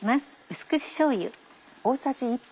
淡口しょうゆ。